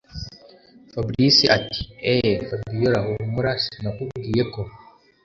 fabric ati”eeehhh fabiora humura sinakubwiye ko